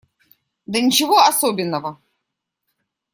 Да ничего особенного.